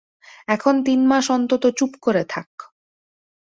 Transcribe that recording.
এখন তিন মাস অন্তত চুপ করে থাক।